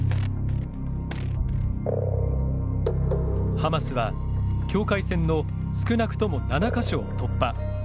ハマスは、境界線の少なくとも７か所を突破。